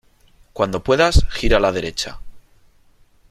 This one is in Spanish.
Cuando puedas, gira a la derecha.